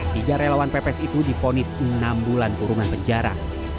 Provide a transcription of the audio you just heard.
tiga relawan pps itu difonis enam bulan kurungan penjara